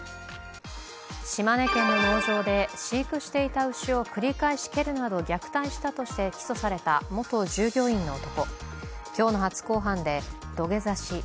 島根県の農場で飼育していたを繰り返し蹴るなどの虐待したとして起訴された元従業員の男。